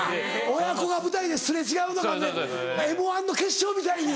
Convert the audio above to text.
親子が舞台で擦れ違うのか『Ｍ−１』の決勝みたいに。